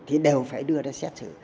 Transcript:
thì đều phải đưa ra xét xử